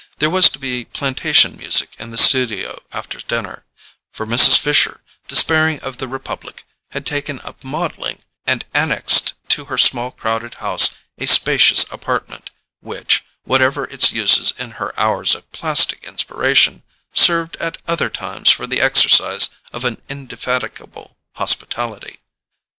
There was to be plantation music in the studio after dinner—for Mrs. Fisher, despairing of the republic, had taken up modelling, and annexed to her small crowded house a spacious apartment, which, whatever its uses in her hours of plastic inspiration, served at other times for the exercise of an indefatigable hospitality.